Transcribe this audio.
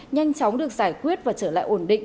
nhanh chóng được giải quyết và trở lại ổn định